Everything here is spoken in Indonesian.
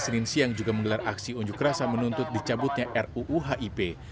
senin siang juga menggelar aksi unjuk rasa menuntut dicabutnya ruu hip